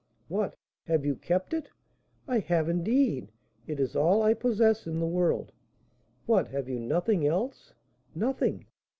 "What, have you kept it?" "I have, indeed; it is all I possess in the world." "What, have you nothing else?" "Nothing."